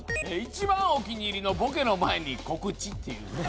「１番お気に入りのボケの前に告知」っていうね